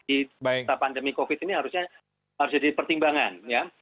di pandemi covid ini harusnya harus jadi pertimbangan ya